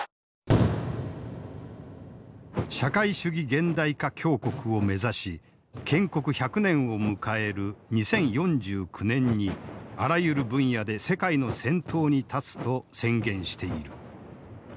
「社会主義現代化強国」を目指し建国１００年を迎える２０４９年にあらゆる分野で世界の先頭に立つと宣言している。